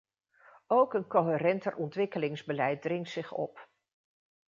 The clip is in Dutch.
Ook een coherenter ontwikkelingsbeleid dringt zich op.